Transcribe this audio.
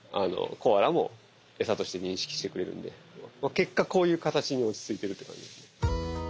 結果こういう形に落ち着いているって感じですね。